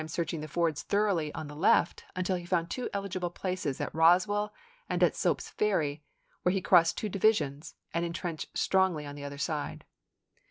i. searching the fords thoroughly on the left until he found two eligible places at Eosswell and at Soap's Ferry, where he crossed two divisions1 and in trenched strongly on the other side.